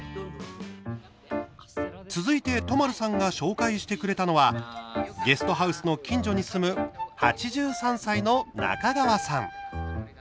続いて都丸さんが紹介してくれたのはゲストハウスの近所に住む８３歳の中川さん。